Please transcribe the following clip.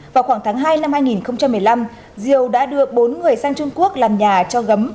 vào khoảng tháng hai năm hai nghìn một mươi năm diều đã đưa bốn người sang trung quốc làm nhà cho gấm